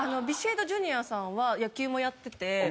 ビシエドジュニアさんは野球もやってて。